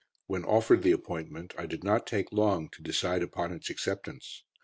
When offered the appointment, I did not take long to decide upon its acceptance.